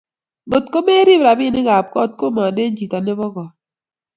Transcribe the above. Kot ko merip rapinikap kot koyonden chito nebo kot